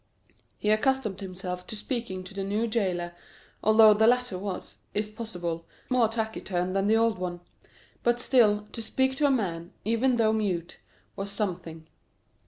He accustomed himself to speaking to the new jailer, although the latter was, if possible, more taciturn than the old one; but still, to speak to a man, even though mute, was something.